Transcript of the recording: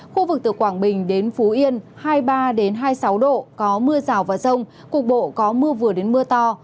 khu vực từ quảng bình đến phú yên hai mươi ba hai mươi sáu độ có mưa rào và rông cục bộ có mưa vừa đến mưa to